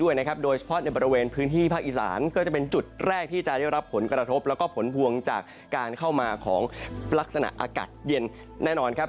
โดยเฉพาะในบริเวณพื้นที่ภาคอีสานก็จะเป็นจุดแรกที่จะได้รับผลกระทบแล้วก็ผลพวงจากการเข้ามาของลักษณะอากาศเย็นแน่นอนครับ